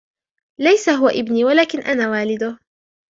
ليس " هو إبني " ولكن " أنا والده ".